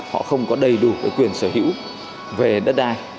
họ không có đầy đủ quyền sở hữu về đất đai